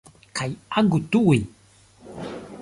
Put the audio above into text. Kaj agu tuj.